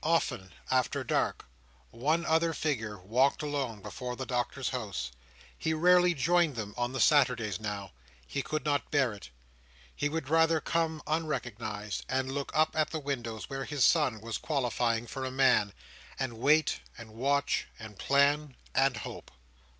Often after dark, one other figure walked alone before the Doctor's house. He rarely joined them on the Saturdays now. He could not bear it. He would rather come unrecognised, and look up at the windows where his son was qualifying for a man; and wait, and watch, and plan, and hope.